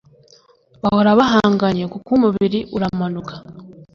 Bahora bahanganye kuko umubiri uramanuka